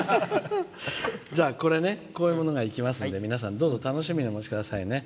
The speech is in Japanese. じゃあ、これ、こういうものが行きますんで皆さん、どうぞ楽しみにお待ちくださいね。